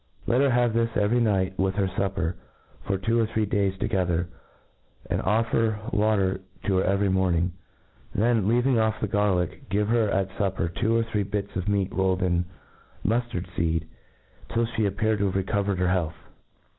Let her have this every night with her fupper, for two or three days together, and offer water to her c very morning. Then, leaving off the garlick, give her at fupper two or three bits of meat rolled in muftard feed, till flic appear to have recovered £cr health.